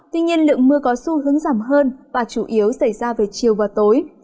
tuy nhiên lượng mưa có xu hướng giảm hơn và chủ yếu xảy ra về chiều và tối